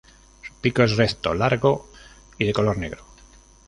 Su pico es recto, largo y de color negro.